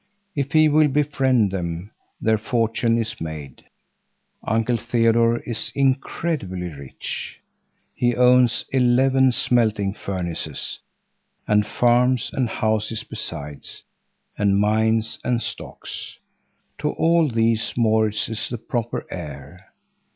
If he will befriend them their fortune is made. Uncle Theodore is incredibly rich. He owns eleven smelting furnaces, and farms and houses besides, and mines and stocks. To all these Maurits is the proper heir.